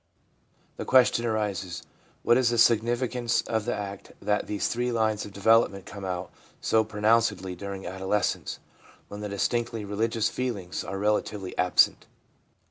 The question arises, What is the significance of the act that these three lines of development come out so pronouncedly during adolescence, when the distinctly religious feelings are relatively absent?